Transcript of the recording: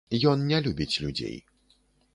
Ён не любіць людзей.